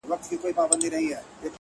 o د هغه هر وخت د ښکلا خبر په لپه کي دي؛